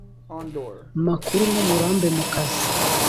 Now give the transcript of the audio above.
makuru n uburambe mu kazi